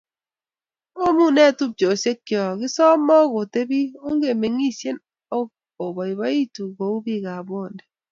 omu noee tupchosiekcho kesomook otebii, omeng'isien ak oboiboitu kou biikab Bonde